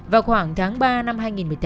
vào khoảng tháng ba năm hai nghìn một mươi tám